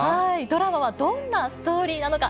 ドラマはどんなストーリーなのか。